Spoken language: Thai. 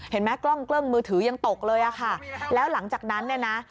เห็นไหมกล้องกล้องมือถือยังตกเลยอ่ะค่ะแล้วหลังจากนั้นเนี่ยนะ